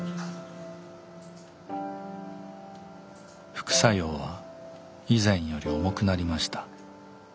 副作用は以前より重くなりました。